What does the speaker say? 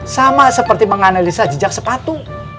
sama seperti menganalisa jejak sepatu